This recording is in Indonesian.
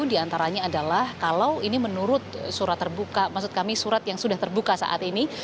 di antaranya adalah kalau ini menurut surat terbuka maksud kami surat yang sudah terbuka saat ini